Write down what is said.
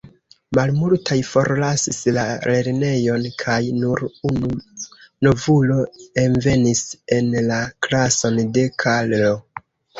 Malmultaj forlasis la lernejon kaj nur unu novulo envenis en la klason de Karlo.